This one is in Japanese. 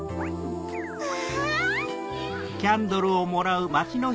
うわ！